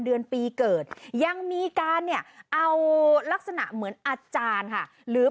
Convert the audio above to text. เดือนปีเกิดยังมีการเนี่ยเอาลักษณะเหมือนอาจารย์ค่ะหรือ